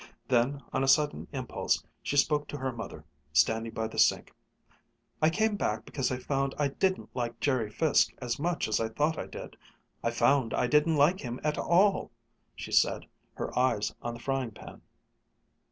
Then, on a sudden impulse, she spoke to her mother, standing by the sink. "I came back because I found I didn't like Jerry Fiske as much as I thought I did. I found I didn't like him at all," she said, her eyes on the frying pan.